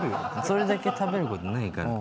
それだけ食べることないから。